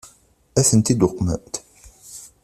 Ad tent-id-uqment?